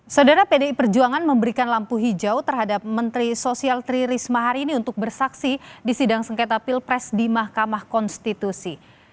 saudara pdi perjuangan memberikan lampu hijau terhadap menteri sosial tri risma hari ini untuk bersaksi di sidang sengketa pilpres di mahkamah konstitusi